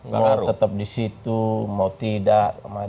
mau tetap di situ mau tidak